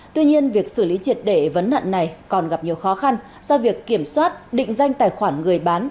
tuy nhiên việc xử lý triệt để vấn nạn này còn gặp nhiều khó khăn do việc kiểm soát định danh tài khoản người bán